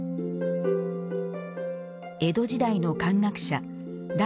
江戸時代の漢学者頼